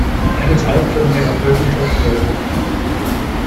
Er ist auch von therapeutischer Bedeutung.